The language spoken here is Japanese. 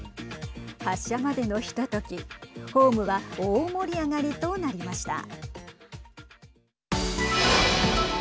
発車までのひとときホームは大盛り上がりとなりました。